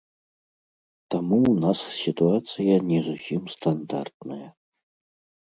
Таму ў нас сітуацыя не зусім стандартная.